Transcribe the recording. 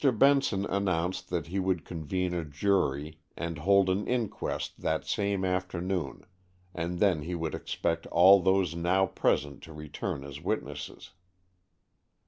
Benson announced that he would convene a jury and hold an inquest that same afternoon, and then he would expect all those now present to return as witnesses.